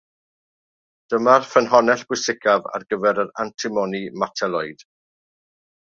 Dyma'r ffynhonnell bwysicaf ar gyfer yr antimoni meteloid.